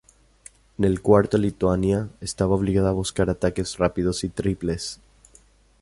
En el cuarto Lituania estaba obligada a buscar ataques rápidos y triples.